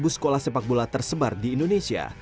sepuluh sekolah sepak bola tersebar di indonesia